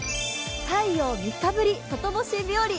太陽３日ぶり、外干し日より。